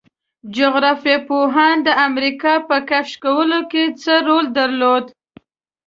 جغرافیه پوهانو د امریکا په کشف کولو کې څه رول درلود؟